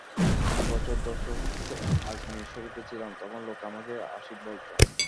আমি বছর দশেক আজমির শরিফে ছিলাম, তখন লোকে আমাকে আশিক বলত।